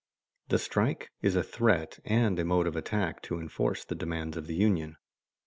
_The strike is a threat and a mode of attack to enforce the demands of the union.